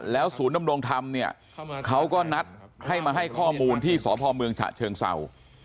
ศูนย์ดำรงธรรมเนี่ยเขาก็นัดให้มาให้ข้อมูลที่สพเมืองฉะเชิงเศร้า